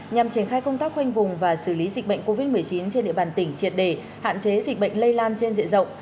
nhằm triển khai công tác khoanh vùng và xử lý dịch bệnh covid một mươi chín trên địa bàn tỉnh triệt đề hạn chế dịch bệnh lây lan trên diện rộng